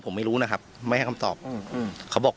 ตำรวจอีกหลายคนก็หนีออกจุดเกิดเหตุทันที